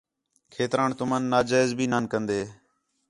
کھیتران تُمن نا جائزی بھی نان کندے